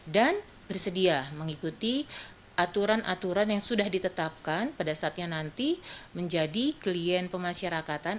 dan bersedia mengikuti aturan aturan yang sudah ditetapkan pada saatnya nanti menjadi klien pemasyarakatan